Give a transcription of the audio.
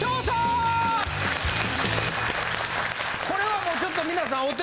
これはもうちょっと皆さん